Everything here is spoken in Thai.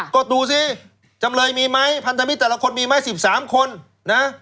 ก็ดูสิจำเลยมีไหมพันธมิตรแต่ละคนมีไหม๑๓คนนะ